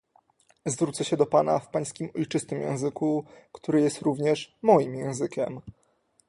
Zwrócę się do pana w pańskim ojczystym języku, który jest również moim językiem